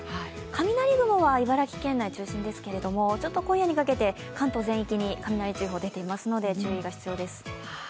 雷雲は茨城県内中心ですけれども、今夜にかけて関東全域に雷注意報出ていますので注意が必要です。